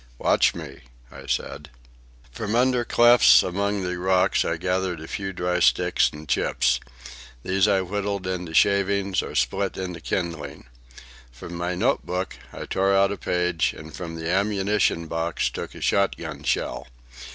"Watch me," I said. From under clefts among the rocks I gathered a few dry sticks and chips. These I whittled into shavings or split into kindling. From my note book I tore out a page, and from the ammunition box took a shot gun shell.